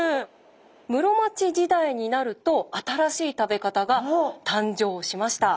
室町時代になると新しい食べ方が誕生しました。